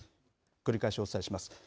繰り返しお伝えします。